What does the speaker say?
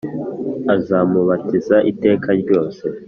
azamubatiza iteka ryose